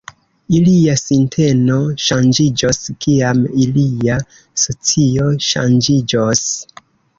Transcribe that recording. Ilia sinteno ŝanĝiĝos, kiam ilia socio ŝanĝiĝos.